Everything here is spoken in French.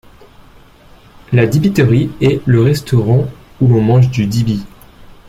La dibiterie est le restaurant où l'on mange du dibi.